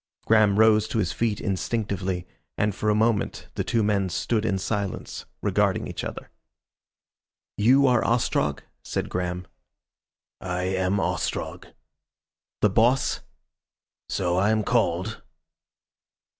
Graham rose to his feet instinctively, and for a moment the two men stood in silence, regarding each other. "You are Ostrog?" said Graham. "I am Ostrog." "The Boss?" "So I am called."